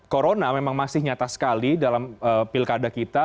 corona memang masih nyata sekali dalam pilkada kita